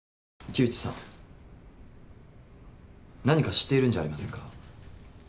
何か知っているんじゃありませんか？